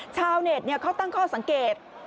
ชาวเน็ตเขาตั้งข้อสังเกต